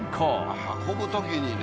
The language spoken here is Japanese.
あっ運ぶ時にね。